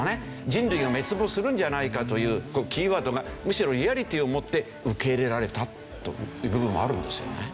人類が滅亡するんじゃないかというキーワードがむしろリアリティーをもって受け入れられたという部分もあるんですよね。